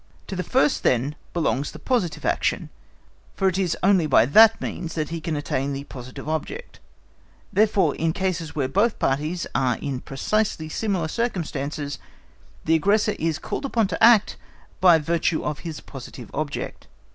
To the first then belongs the positive action, for it is only by that means that he can attain the positive object; therefore, in cases where both parties are in precisely similar circumstances, the aggressor is called upon to act by virtue of his positive object.